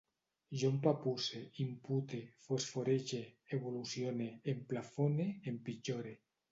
Jo empapusse, impute, fosforege, evolucione, emplafone, empitjore